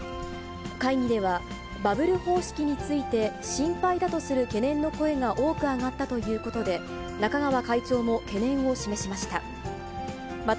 会議では、バブル方式について心配だとする懸念の声が多く上がったということで、中川会長も懸念を示しました。